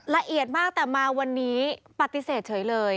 ละเอียดมากแต่มาวันนี้ปฏิเสธเฉยเลย